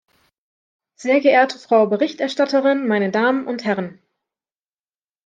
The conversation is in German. Sehr geehrte Frau Berichterstatterin, meine Damen und Herren!